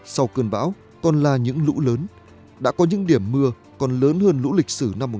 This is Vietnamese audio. sau cơn bão toàn là những lũ lớn đã có những điểm mưa còn lớn hơn lũ lịch sử năm một nghìn chín trăm chín mươi chín